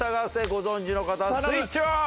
ご存じの方スイッチオン！